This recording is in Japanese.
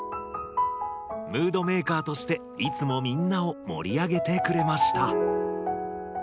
ムードメーカーとしていつもみんなをもりあげてくれました。